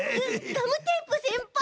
ガムテープせんぱい！